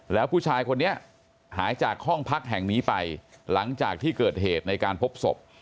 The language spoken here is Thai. แล้วผู้ชายคนนี้หายจากห้องพักแห่งนี้ไปหลังจากที่เกิดเหตุในการพบศพ